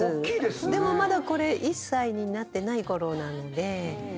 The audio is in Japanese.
でもまだこれ１歳になってないころなので。